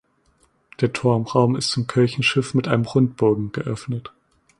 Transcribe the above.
Der Turmraum ist zum Kirchenschiff mit einem Rundbogen geöffnet.